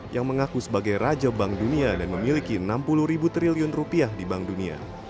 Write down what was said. yang mengaku sebagai raja bank dunia dan memiliki enam puluh triliun rupiah di bank dunia